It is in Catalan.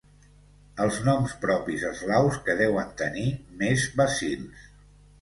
Els noms propis eslaus que deuen tenir més bacils.